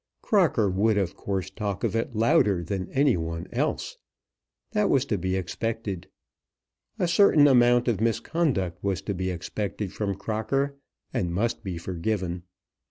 Crocker would of course talk of it louder than any one else. That was to be expected. A certain amount of misconduct was to be expected from Crocker, and must be forgiven.